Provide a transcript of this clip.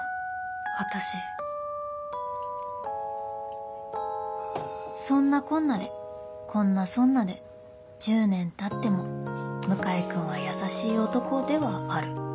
私そんなこんなでこんなそんなで１０年たっても向井君は優しい男ではある